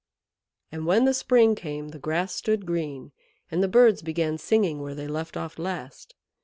And when the spring came the grass stood green, and the birds began singing where they left off last.